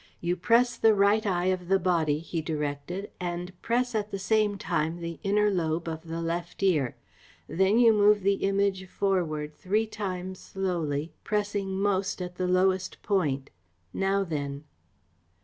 "You press the right eye of the Body," he directed, "and press at the same time the inner lobe of the left ear. Then you move the Image forward three times slowly, pressing most at the lowest point. Now then!"